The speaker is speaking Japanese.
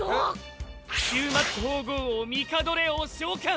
終末縫合王ミカドレオを召喚！